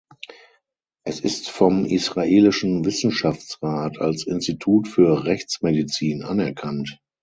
Es ist vom israelischen Wissenschaftsrat als Institut für Rechtsmedizin anerkannt.